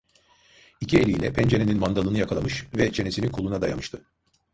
İki eliyle pencerenin mandalını yakalamış ve çenesini koluna dayamıştı.